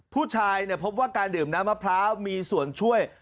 พบว่าการดื่มน้ำมะพร้าวมีส่วนช่วย